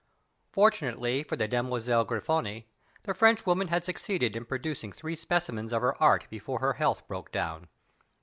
Fortunately for the Demoiselle Grifoni, the Frenchwoman had succeeded in producing three specimens of her art before her health broke down.